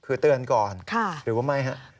คือเตือนก่อนหรือว่าไม่ฮะ